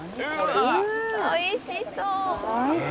おいしそう！